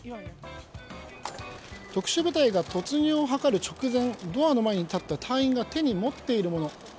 特殊部隊が突入を図る直前ドアの前に立った隊員が手に持っているもの